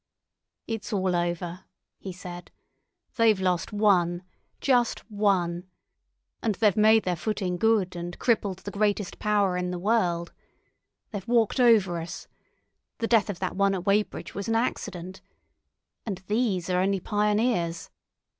"It's all over," he said. "They've lost one—just one. And they've made their footing good and crippled the greatest power in the world. They've walked over us. The death of that one at Weybridge was an accident. And these are only pioneers.